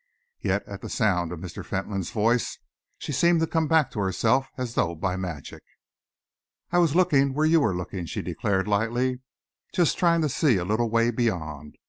Yet at the sound of Mr. Fentolin's voice, she seemed to come back to herself as though by magic. "I was looking where you were looking," she declared lightly, "just trying to see a little way beyond.